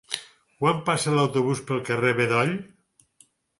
Quan passa l'autobús pel carrer Bedoll?